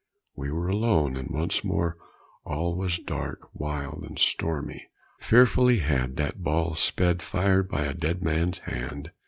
We were alone; and once more all was dark, wild and stormy. Fearfully had that ball sped fired by a dead man's hand.